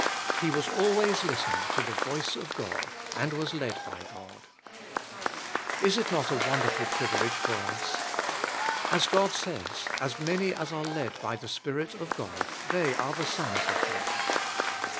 He was always listening to the voice of God and was lead by God. Is it not a wonderful privileg e for us? As God says, "As many as are led by the Spirit of God they are the sons of God."